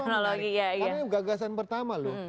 karena gagasan pertama loh